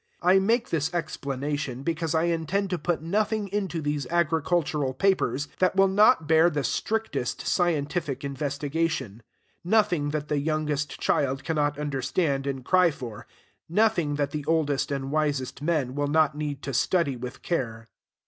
I make this explanation, because I intend to put nothing into these agricultural papers that will not bear the strictest scientific investigation; nothing that the youngest child cannot understand and cry for; nothing that the oldest and wisest men will not need to study with care.